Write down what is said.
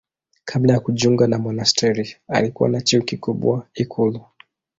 Kabla ya kujiunga na monasteri alikuwa na cheo kikubwa ikulu.